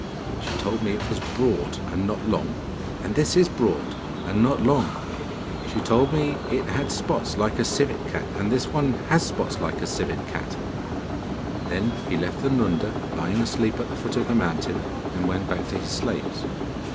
She told me it was broad and not long, and this is broad and not long. She told me it had spots like a civet cat, and this has spots like a civet cat.' Then he left the Nunda lying asleep at the foot of the mountain, and went back to his slaves.